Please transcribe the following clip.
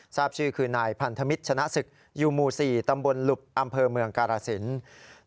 ทราบชื่อคือนายพันธมิตรชนะศึกอยู่หมู่๔ตำบลหลุบอำเภอเมืองกาลสิน